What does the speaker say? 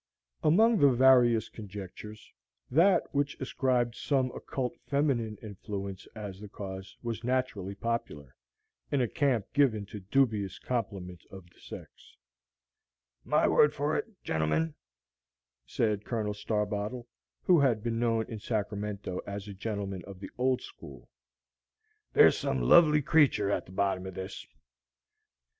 Among the various conjectures, that which ascribed some occult feminine influence as the cause was naturally popular, in a camp given to dubious compliment of the sex. "My word for it, gentlemen," said Colonel Starbottle, who had been known in Sacramento as a Gentleman of the Old School, "there's some lovely creature at the bottom of this."